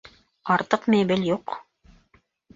Артыҡ мебель юҡ